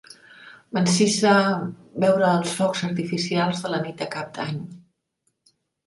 M'encisa veure els focs artificials de la nit de cap d'any.